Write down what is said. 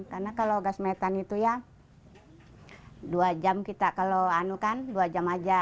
karena kalau gas metan itu ya dua jam kita kalau anu kan dua jam aja